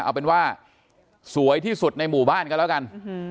เอาเป็นว่าสวยที่สุดในหมู่บ้านก็แล้วกัน